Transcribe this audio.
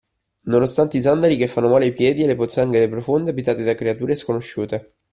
Nonostante i sandali che fanno male ai piedi e le pozzanghere profonde abitate da creature sconosciute.